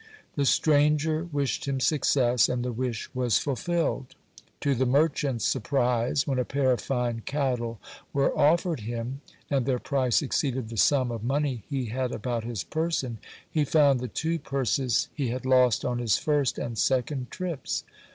The stranger wished him success, and the wish was fulfilled. To the merchant's surprise, when a pair of fine cattle were offered him, and their price exceeded the sum of money he had about his person, he found the two purses he had lost on his first and second trips.